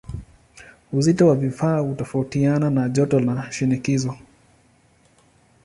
Uzito wa vifaa hutofautiana na joto na shinikizo.